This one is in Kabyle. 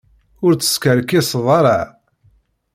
Ur teskerkiseḍ ara.